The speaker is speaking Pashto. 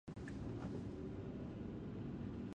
رضا پهلوي د جلاوطنۍ تجربه لري.